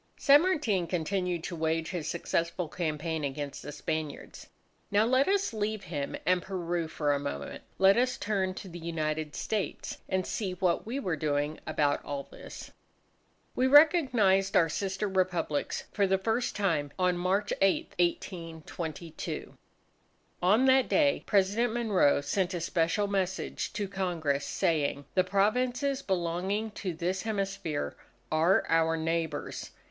San Martin continued to wage his successful campaign against the Spaniards. Now, let us leave him and Peru for a moment. Let us turn to the United States and see what we were doing about all this. We recognized our sister Republics for the first time on March 8, 1822. On that day President Monroe sent a special message to Congress saying, "the Provinces belonging to this hemisphere are our neighbours."